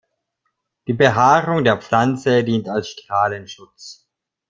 Die Behaarung der Pflanze dient als Strahlenschutz.